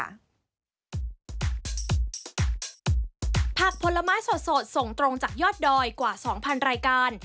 ผักผลไม้สดส่งตรงจากยอดดอยกว่า๒๐๐รายการ